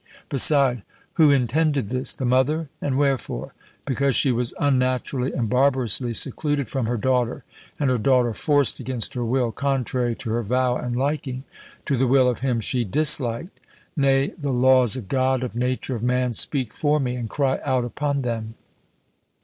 Beside, who intended this the mother? and wherefore? because she _was unnaturally and barbarously secluded from her daughter, and her daughter forced against her will, contrary to her vow and liking_, to the will of him she disliked; nay, the laws of God, of nature, of man, speak for me, and cry out upon them.